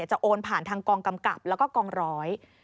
โอนผ่านทางกองกำกับแล้วก็กองร้อย